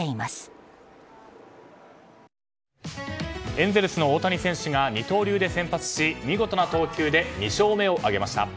エンゼルスの大谷選手が二刀流で先発し見事な投球で２勝目を挙げました。